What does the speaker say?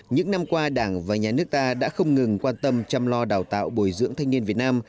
những năm qua đảng và nhà nước ta đã không ngừng quan tâm chăm lo đào tạo bồi dưỡng thanh niên việt nam